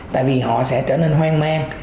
tại vì họ sẽ trở nên hoang mang